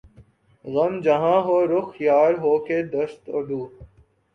غم جہاں ہو رخ یار ہو کہ دست عدو